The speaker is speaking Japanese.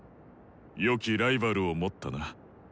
よきライバルを持ったな。